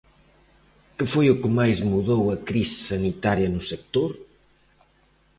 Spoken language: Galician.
Que foi o que máis mudou a crise sanitaria no sector?